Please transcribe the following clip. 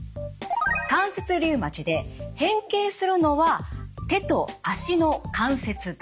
関節リウマチで変形するのは手と足の関節だ。